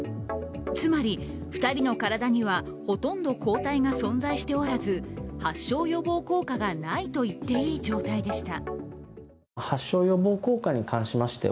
つまり、２人の体にはほとんど抗体が存在しておらず発症予防効果がないといっていい状態でした。